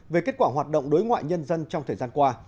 về kết quả hoạt động đối ngoại nhân dân trong thời gian qua